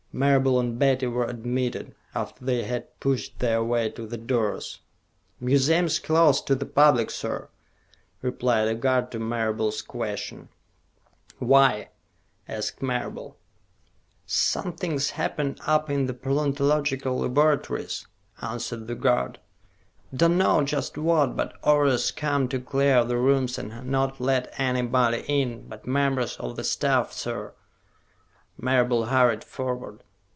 Marable and Betty were admitted, after they had pushed their way to the doors. "Museum's closed to the public, sir," replied a guard to Marable's question. "Why?" asked Marable. "Somethin's happened up in the paleontological laboratories," answered the guard. "Dunno just what, but orders come to clear the rooms and not let anybody in but members of the staff, sir." Marable hurried forward.